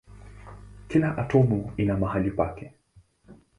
Kila atomu ina mahali pake.